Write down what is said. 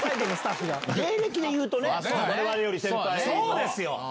そうですよ！